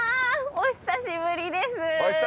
お久しぶりです。